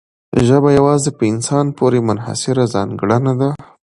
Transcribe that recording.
ژبه یوازې په انسان پورې منحصره ځانګړنه ده.